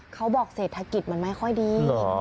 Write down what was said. เขาบอกเศรษฐกิจมันไม่ค่อยดี